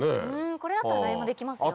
これだったら誰でもできますよね。